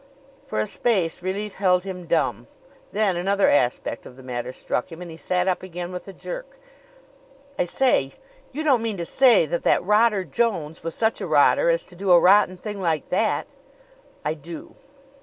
For a space relief held him dumb. Then another aspect of the matter struck him, and he sat up again with a jerk. "I say, you don't mean to say that that rotter Jones was such a rotter as to do a rotten thing like that?" "I do."